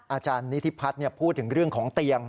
อาจารย์นิธิพัฒน์พูดถึงเรื่องของเตียง